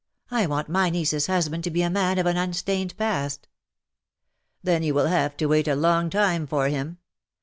I want my niece's husband to be a man of an unstained past/^ "Then you will have to wait a long time for him.